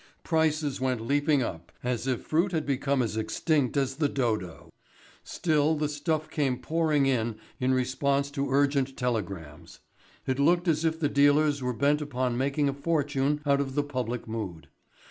Prices went leaping up as if fruit had become as extinct as the dodo. Still the stuff came pouring in in response to urgent telegrams. It looked as if the dealers were bent upon making a fortune out of the public mood.